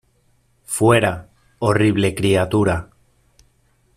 ¡ Fuera, horrible criatura!